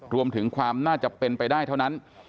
รวมถึงความน่าจะเป็นไปได้เท่านั้น